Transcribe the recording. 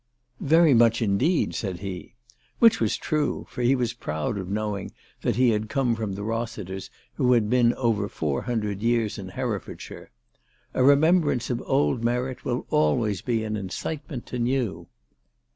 " Yery much indeed," said he. Which was true, for he was proud of knowing that he had come from the Eossiters who had been over four hundred years in Herefordshire. "A remembrance of old merit will always be an incitement to new."